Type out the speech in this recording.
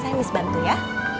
saya miss bantu ya